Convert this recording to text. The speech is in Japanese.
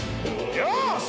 よし！